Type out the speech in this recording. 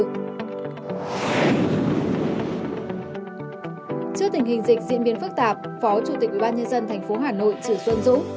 trước tình hình dịch diễn biến phức tạp phó chủ tịch ubnd tp hcm trữ xuân dũng